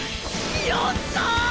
よっしゃ！